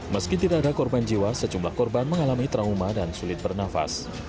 meski tidak ada korban jiwa sejumlah korban mengalami trauma dan sulit bernafas